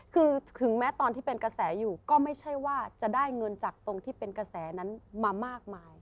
คือถึงแม้ตอนที่เป็นกระแสอยู่ก็ไม่ใช่ว่าจะได้เงินจากตรงที่เป็นกระแสนั้นมามากมาย